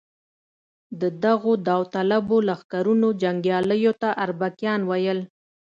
د دغو داوطلبو لښکرونو جنګیالیو ته اربکیان ویل.